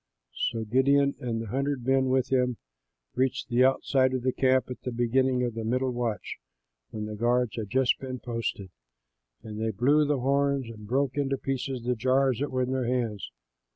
'" So Gideon and the hundred men with him reached the outside of the camp at the beginning of the middle watch, when guards had just been posted; and they blew the horns and broke in pieces the jars that were in their hands.